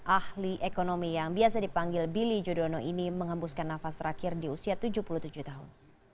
ahli ekonomi yang biasa dipanggil billy jodono ini mengembuskan nafas terakhir di usia tujuh puluh tujuh tahun